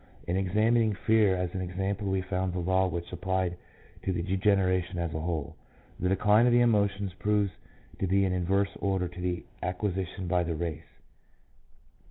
In examining fear as an example we found the law which applied to the degeneration as a whole. The decline of the emotions proves to be in inverse order to the acquisition by the race.